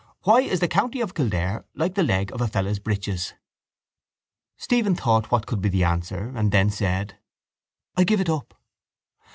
Why is the county of Kildare like the leg of a fellow's breeches? Stephen thought what could be the answer and then said: —I give it up.